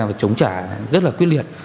và chống trả rất là quyết liệt